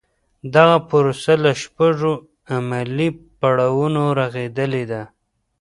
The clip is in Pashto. دغه پروسه له شپږو عملي پړاوونو رغېدلې ده.